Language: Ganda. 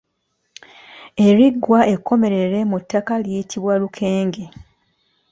Eriggwa ekkomerere mu ttaka liyitibwa Lukenge.